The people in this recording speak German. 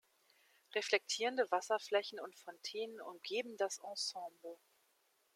Reflektierende Wasserflächen und Fontänen umgeben das Ensemble.